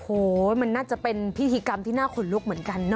โอ้โหมันน่าจะเป็นพิธีกรรมที่น่าขนลุกเหมือนกันนะ